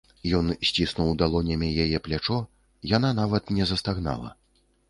Ён сціснуў далонямі яе плячо, яна нават не застагнала.